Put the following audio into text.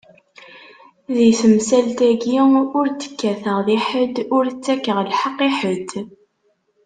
Di temsalt-agi, ur d-kkateɣ di ḥedd, ur ttakkeɣ lheqq i ḥedd.